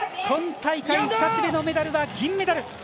今大会２つ目のメダルは銀メダル。